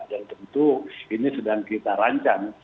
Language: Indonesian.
dan tentu ini sedang kita rancang